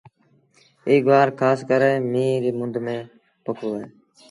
ايٚ گُوآر کآس ڪري ميݩهن ريٚ مند ميݩ پوکبو اهي۔